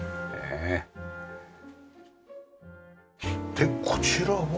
でこちらは？